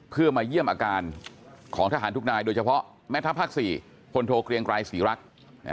เพื่อมาเยี่ยมอาการของทหารทุกนายโดยเฉพาะแม่ทัพภาค๔พลโทเกลียงไกรศรีรักษ์